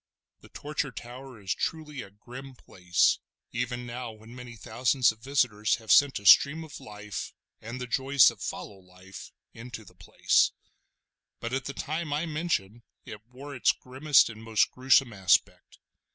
The Torture Tower is truly a grim place, even now when many thousands of visitors have sent a stream of life, and the joy that follows life, into the place; but at the time I mention it wore its grimmest and most gruesome aspect.